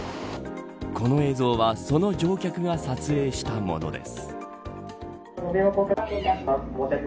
この映像はその乗客が撮影したものです。